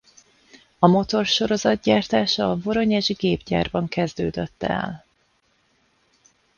A motor sorozatgyártása a Voronyezsi Gépgyárban kezdődött el.